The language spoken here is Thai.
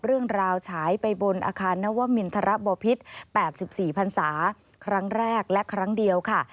เรื่องราวฉายไปบนอาคารนวมมินทรบพิษแปดสิบสี่พันศาครั้งแรกและครั้งเดียวค่ะ